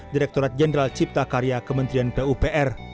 direkturat jenderal cipta karya kementerian pupr